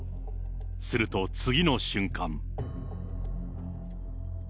すると、次の瞬間。